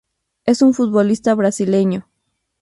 Es un futbolista brasileño.